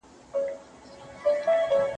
A ګروپ باید آرام ورزش وکړي.